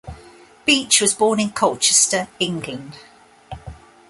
Beach was born in Colchester, England.